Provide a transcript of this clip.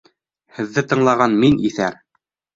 Һеҙҙе тыңлаған мин иҫәр!